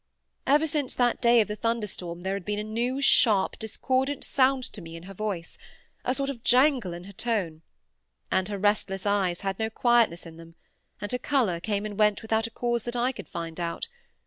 Ever since that day of the thunderstorm there had been a new, sharp, discordant sound to me in her voice, a sort of jangle in her tone; and her restless eyes had no quietness in them; and her colour came and went without a cause that I could find out.